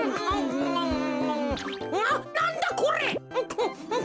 ななんだこれ。